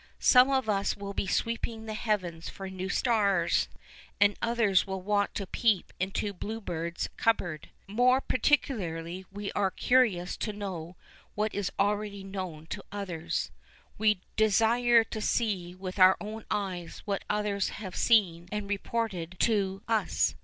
Some of us will be sweeping the heavens for new stars, and others will want to peep into Bluebeard's cupboard. More particularly we are curious to know what is already known to others. We desire to see with our own eyes what others have seen and reported to us.